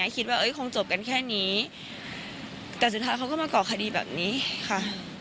คิดว่าคงจบกันแค่นี้แต่สุดท้ายเขาก็มาก่อคดีแบบนี้ค่ะ